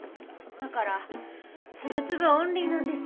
だからつぶつぶオンリーなんです。